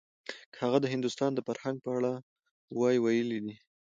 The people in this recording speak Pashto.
که هغه د هندوستان د فرهنګ په اړه وی ويلي دي.